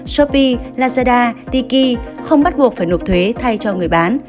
shopee lazada tiki không bắt buộc phải nộp thuế thay cho người bán